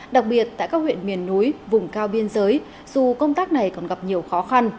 đặc biệt tại các huyện miền núi vùng cao biên giới dù công tác này còn gặp nhiều khó khăn